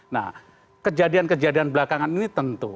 nah kejadian kejadian belakangan ini tentu